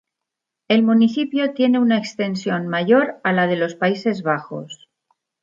El municipio tiene una extensión mayor a la de los Países Bajos.